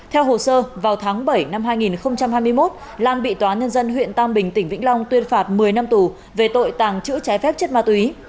theo hồ sơ vào tháng bảy năm hai nghìn hai mươi một lan bị tòa nhân dân huyện tam bình tỉnh vĩnh long tuyên phạt một mươi năm tù về tội tàng trữ trái phép chất ma túy